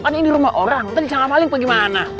kan ini rumah orang nanti dicanggah paling pergi mana